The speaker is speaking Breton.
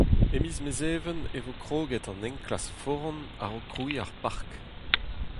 E miz Mezheven e vo kroget an enklask foran a-raok krouiñ ar park.